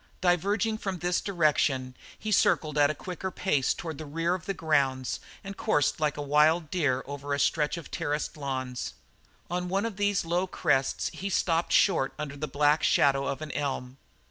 Diverging from this direction, he circled at a quicker pace toward the rear of the grounds and coursed like a wild deer over a stretch of terraced lawns. On one of these low crests he stopped short under the black shadow of an elm.